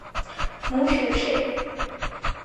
母许氏。